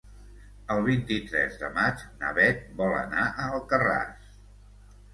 El vint-i-tres de maig na Beth vol anar a Alcarràs.